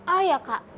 ah ya kak